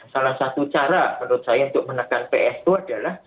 salah satu cara menurut saya untuk menekan psu adalah